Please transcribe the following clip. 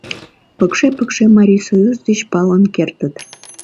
Пыкше-пыкше Марисоюз деч палын кертыт.